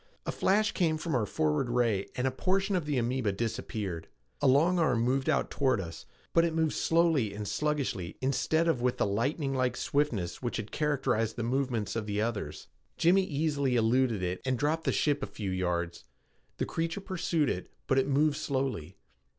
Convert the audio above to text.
A flash came from our forward ray and a portion of the amoeba disappeared. A long arm moved out toward us, but it moved slowly and sluggishly instead of with the lightninglike swiftness which had characterized the movements of the others. Jimmy easily eluded it and dropped the ship a few yards. The creature pursued it, but it moved slowly.